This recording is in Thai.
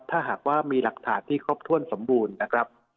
ถ้าหากว่ามีหลักฐานที่ครบถ้วนสมบูรณ์นะครับ